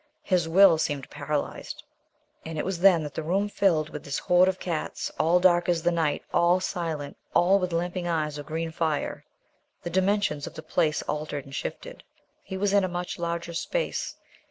His will seemed paralysed. And it was then that the room filled with this horde of cats, all dark as the night, all silent, all with lamping eyes of green fire. The dimensions of the place altered and shifted. He was in a much larger space.